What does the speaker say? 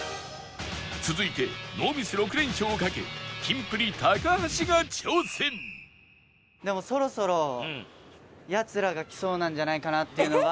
続いてノーミス６連勝をかけキンプリ橋が挑戦でもそろそろヤツらが来そうなんじゃないかなっていうのは。